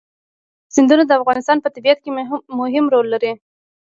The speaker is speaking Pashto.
سیندونه د افغانستان په طبیعت کې مهم رول لري.